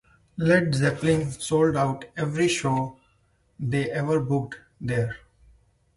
Led Zeppelin sold out every show they ever booked there.